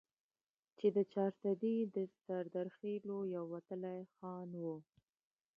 چې د چارسدي د سردرخيلو يو وتلے خان وو ،